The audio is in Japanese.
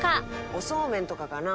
「おそうめんとかかな？